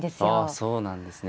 あそうなんですね。